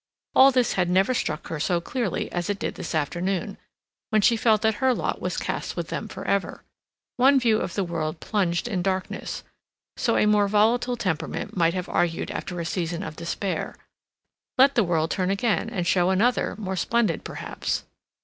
All this had never struck her so clearly as it did this afternoon, when she felt that her lot was cast with them for ever. One view of the world plunged in darkness, so a more volatile temperament might have argued after a season of despair, let the world turn again and show another, more splendid, perhaps.